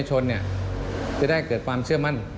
ชนจะได้เกิดความเชื่อมั่น